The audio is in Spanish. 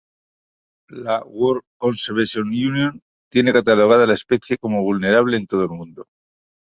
La World Conservation Union tiene catalogada la especie como Vulnerable en todo el mundo.